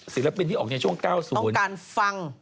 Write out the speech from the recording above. ศิลปินที่ออกในช่วง๙๐ต้องการฟัง